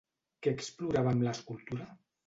Què explorava amb l'escultura?